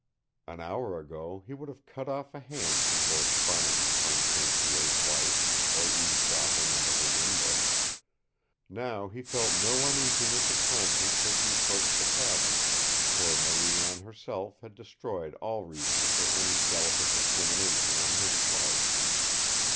An hour ago he would have cut off a hand before spying upon St. Pierre's wife or eavesdropping under her window. Now he felt no uneasiness of conscience as he approached the cabin, for Marie Anne herself had destroyed all reason for any delicate discrimination on his part.